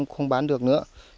không bán được nữa